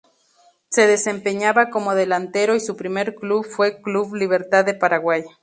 Se desempeñaba como delantero y su primer club fue Club Libertad de Paraguay.